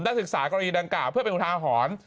ได้ศึกษากรณีดังกล่าวเพื่อเป็นคุณฐาหอน